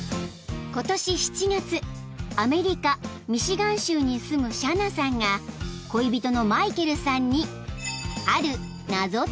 ［アメリカミシガン州に住むシャナさんが恋人のマイケルさんにある］